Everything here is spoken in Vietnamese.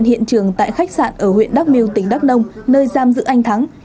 hiện trường tại khách sạn ở huyện đắk miêu tỉnh đắk nông nơi giam giữ anh thắng